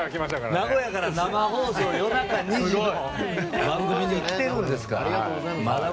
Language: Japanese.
名古屋から生放送夜中２時の番組に来てるんですから。